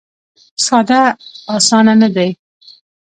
ساده اسانه نه دی.